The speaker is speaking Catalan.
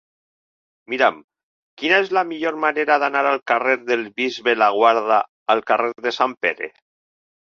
Mira'm quina és la millor manera d'anar del carrer del Bisbe Laguarda al carrer de Sant Pere.